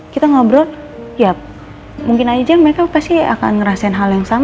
kita ngobrol ya mungkin aja mereka pasti akan ngerasain hal yang sama